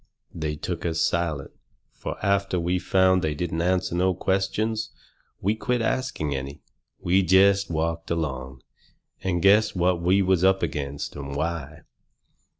They took us silent, fur after we found they didn't answer no questions we quit asking any. We jest walked along, and guessed what we was up against, and why.